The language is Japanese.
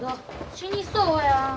死にそうや。